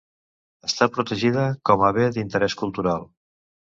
Està protegida com a Bé d'Interés Cultural.